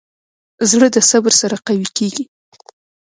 زړه د صبر سره قوي کېږي.